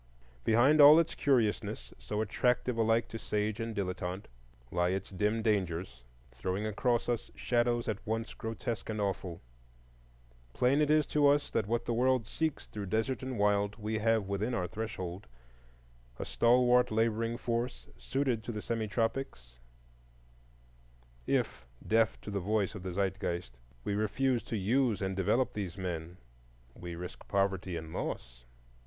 Behind all its curiousness, so attractive alike to sage and dilettante, lie its dim dangers, throwing across us shadows at once grotesque and awful. Plain it is to us that what the world seeks through desert and wild we have within our threshold,—a stalwart laboring force, suited to the semi tropics; if, deaf to the voice of the Zeitgeist, we refuse to use and develop these men, we risk poverty and loss.